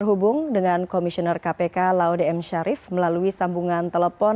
terhubung dengan komisioner kpk laude m syarif melalui sambungan telepon